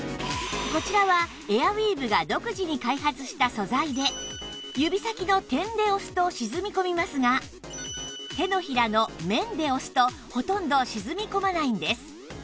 こちらはエアウィーヴが独自に開発した素材で指先の「点」で押すと沈み込みますが手のひらの「面」で押すとほとんど沈み込まないんです